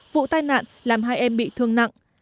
vụ tai nạn làm hai em bị thương nặng